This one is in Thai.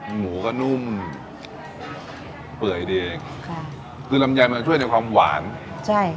หมูก็นุ่มเปื่อยเองค่ะคือลำไยมันจะช่วยในความหวานใช่